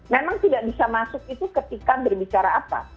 memang tidak bisa masuk itu ketika berbicara apa